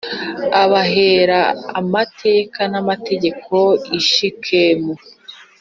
abahera amateka n ‘amategeko i Shekemu.